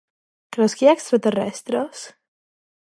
Creus que hi ha extraterrestres?